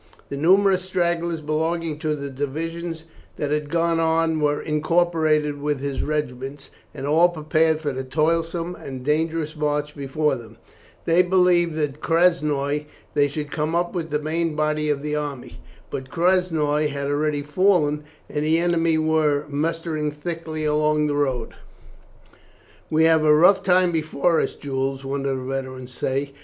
The numerous stragglers belonging to the divisions that had gone on were incorporated with his regiments, and all prepared for the toilsome and dangerous march before them. They believed that at Krasnoi they should come up with the main body of the army. But Krasnoi had already fallen, and the enemy were mustering thickly along the road. "We have a rough time before us, Jules," one of the veterans said.